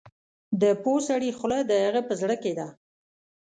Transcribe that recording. د پوه سړي خوله د هغه په زړه کې ده.